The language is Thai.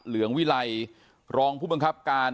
เหลืองวิไลรองผู้บังคับการ